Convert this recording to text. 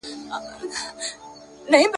د مېوو پوستکي په کثافت دانۍ کي واچوئ.